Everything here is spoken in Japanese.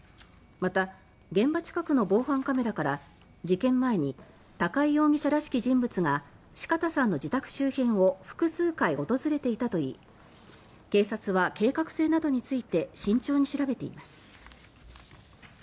また、現場近くの防犯カメラから事件前に高井容疑者らしき人物が四方さんの自宅周辺を複数回訪れていたといい警察は、計画性などについて慎重に調べています。